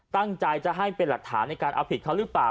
ตั้งใจจะให้เป็นหลักฐานในการเอาผิดเขาหรือเปล่า